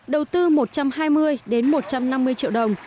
đầu tư một trăm hai mươi một trăm năm mươi triệu đồng